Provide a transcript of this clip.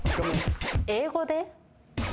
英語で？